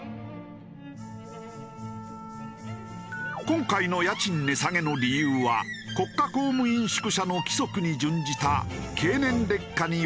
今回の家賃値下げの理由は国家公務員宿舎の規則に準じた経年劣化による調整だというが。